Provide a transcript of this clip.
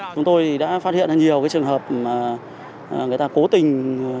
chúng tôi đã phát hiện nhiều trường hợp mà người ta cố tình